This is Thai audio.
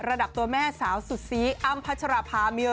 ระดับตัวแม่สาวสุดซีอ้ำพัชรภามี